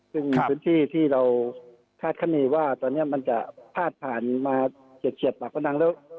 ซึ่งพื้นที่ที่เราคาดคณีว่าตอนนี้มันจะพาดผ่านมา๗ปากพนังแล้ว